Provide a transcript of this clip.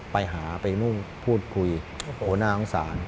ไปหาไปพูดคุยโหน่าอังสาร